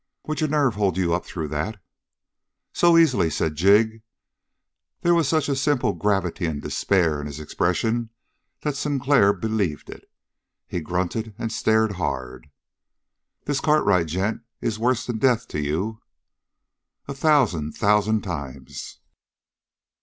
"Would your nerve hold you up through that?" "So easily," said Jig. There was such a simple gravity and despair in his expression that Sinclair believed it. He grunted and stared hard. "This Cartwright gent is worse'n death to you?" "A thousand, thousand times!"